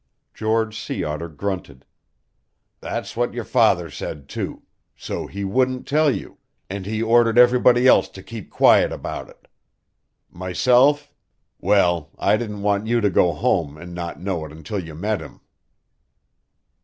George Sea Otter grunted. "That's what your father said, too. So he wouldn't tell you, and he ordered everybody else to keep quiet about it. Myself well, I didn't want you to go home and not know it until you met him."